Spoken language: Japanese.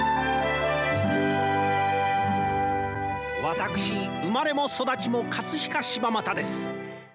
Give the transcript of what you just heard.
「私生まれも育ちも飾柴又です」